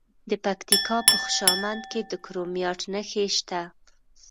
د پکتیکا په خوشامند کې د کرومایټ نښې شته.